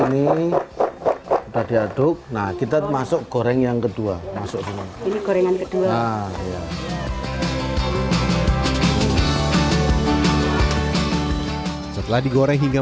ini udah diaduk nah kita masuk goreng yang kedua masuk sini ini gorengan kedua setelah digoreng hingga